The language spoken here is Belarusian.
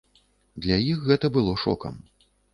Для іх гэта было шокам.